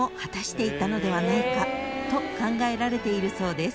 ［考えられているそうです］